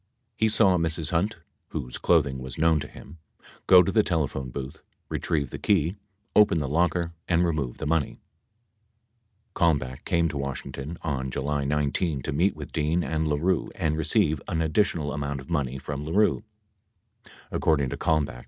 He saw Mrs. Hunt (whose clothing was known to him) go to the telephone booth, retrieve the key, open the' locker and remove the money. 81 Kalmbach came to Washington on July 19 to meet with Dean and LaRue and receive an additional amount of money from LaRue.